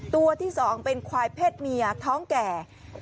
ตัวที่๒เป็นควายเพศเมียท้องแก่